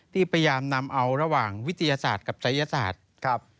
พยายามนำเอาระหว่างวิทยาศาสตร์กับศัยศาสตร์